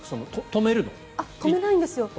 止めないんですよ